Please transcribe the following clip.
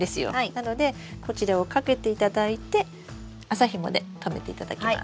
なのでこちらをかけていただいて麻ひもで留めていただきます。